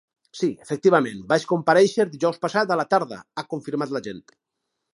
Sí, efectivament, vaig comparèixer dijous passat a la tarda, ha confirmat l’agent.